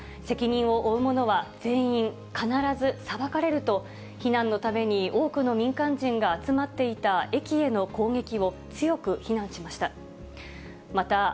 責任を負う者は全員、必ず裁かれると、避難のために多くの民間人が集まっていた駅への攻撃を、強く非難しました。